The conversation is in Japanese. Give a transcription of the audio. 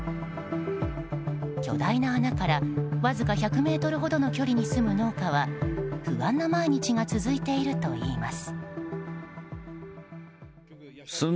巨大な穴からわずか１００ｍほどの距離に住む農家は不安な毎日が続いているといいます。